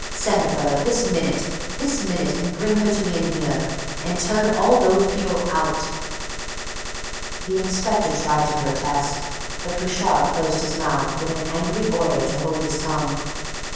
"Send for her! This minute! This minute! And bring her in to me here! And turn all those people out!" The inspector tried to protest, but Richard closed his mouth with an angry order to hold his tongue.